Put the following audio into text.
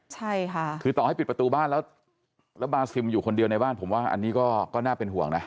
ใช่ค่ะคือต่อให้ปิดประตูบ้านแล้วแล้วบาซิมอยู่คนเดียวในบ้านผมว่าอันนี้ก็น่าเป็นห่วงนะ